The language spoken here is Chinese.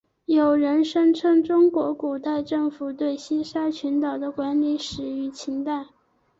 有人声称中国古代政府对西沙群岛的管理始于秦代。